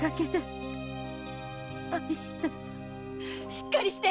しっかりして！